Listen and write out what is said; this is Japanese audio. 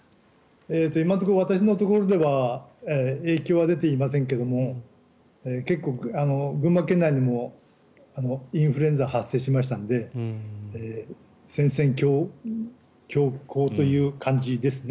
今のところ私のところでは影響は出ていませんが結構、群馬県内でもインフルエンザ発生しましたので戦々恐々という感じですね。